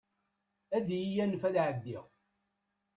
Ad iyi-yanef ad ɛeddiɣ.